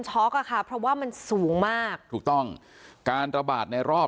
อ่ะค่ะเพราะว่ามันสูงมากถูกต้องการระบาดในรอบ